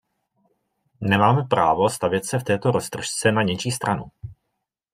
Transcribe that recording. Nemáme právo stavět se v této roztržce na něčí stranu.